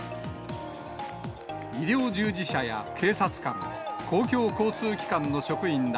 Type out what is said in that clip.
医療従事者や警察官、公共交通機関の職員ら